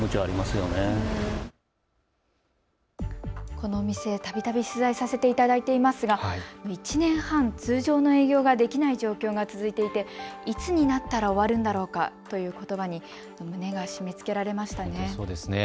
このお店、たびたび取材させていただいていますが、１年半、通常の営業ができない状況が続いていていつになったら終わるんだろうかということばに胸が締めつけられましたね。